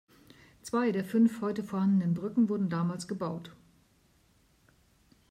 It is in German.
Zwei der fünf heute vorhandenen Brücken wurden damals gebaut.